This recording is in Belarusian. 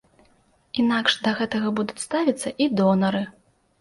Інакш да гэтага будуць ставіцца і донары.